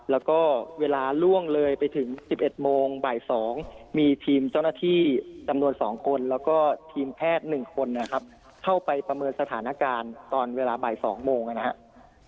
แล้วก็เวลาล่วงเลยไปถึง๑๑โมงบ่าย๒มีทีมเจ้าหน้าที่จำนวน๒คนแล้วก็ทีมแพทย์๑คนนะครับเข้าไปประเมินสถานการณ์ตอนเวลาบ่าย๒โมงนะครับ